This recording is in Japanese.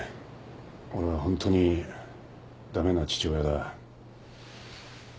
俺はホントにダメな父親だ。